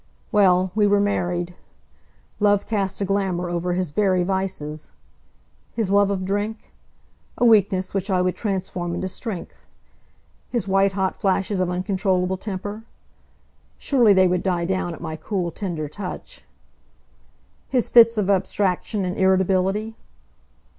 Well, we were married. Love cast a glamour over his very vices. His love of drink? A weakness which I would transform into strength. His white hot flashes of uncontrollable temper? Surely they would die down at my cool, tender touch. His fits of abstraction and irritability?